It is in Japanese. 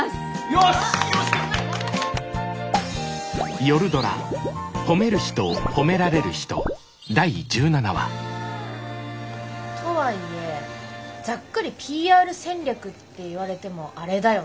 よし！とはいえざっくりＰＲ戦略って言われてもあれだよねぇ。